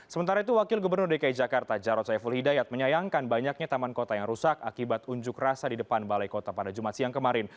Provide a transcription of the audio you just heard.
sementara itu wakil gubernur dki jakarta jarod saiful hidayat menyayangkan banyaknya taman kota yang rusak akibat unjuk rasa di depan balai kota pada jumat siang kemarin